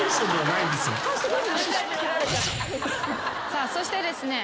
さあそしてですね